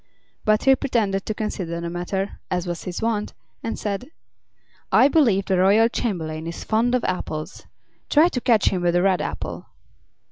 But he pretended to consider the matter, as was his wont, and said: "I believe the royal chamberlain is fond of apples. Try to catch him with a red apple."